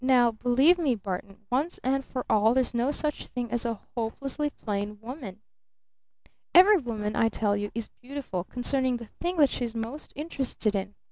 "Now believe me, Barton, once and for all, there 's no such thing as a 'hopelessly plain woman'! Every woman, I tell you, is beautiful concerning the thing that she's most interested in!